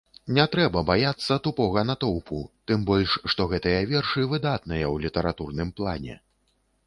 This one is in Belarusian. Не трэба баяцца тупога натоўпу, тым больш, што гэтыя вершы выдатныя ў літаратурным плане.